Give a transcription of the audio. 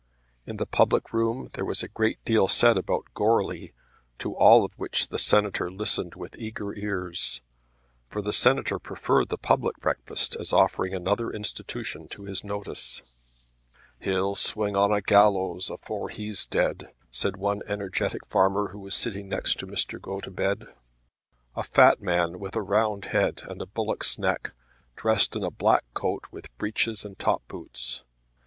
In the public room there was a great deal said about Goarly, to all of which the Senator listened with eager ears, for the Senator preferred the public breakfast as offering another institution to his notice. "He'll swing on a gallows afore he's dead," said one energetic farmer who was sitting next to Mr. Gotobed, a fat man with a round head, and a bullock's neck, dressed in a black coat with breeches and top boots.